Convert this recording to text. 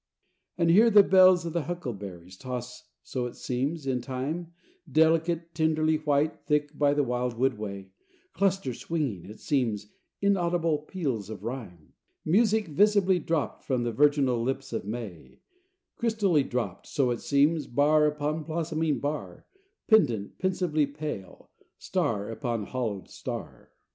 And here the bells of th' huckleberries toss, so it seems, in time, Delicate, tenderly white, thick by the wildwood way; Clusters swinging, it seems, inaudible peals of rhyme, Music visibly dropped from the virginal lips of the May, Crystally dropped, so it seems, bar upon blossoming bar, Pendent, pensively pale, star upon hollowed star.